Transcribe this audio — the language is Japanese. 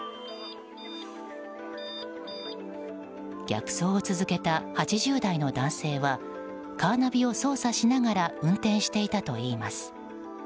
逆走を続けた８０代の男性はカーナビを操作しながら運転していたといいます。